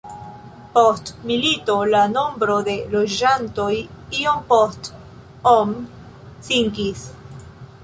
Post milito la nombro de loĝantoj iom post om sinkis.